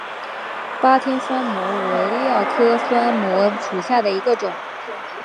巴天酸模为蓼科酸模属下的一个种。